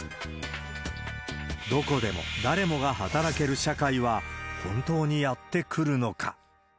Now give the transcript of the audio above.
どこでも、誰もが働ける社会は、本当にやって来るのか。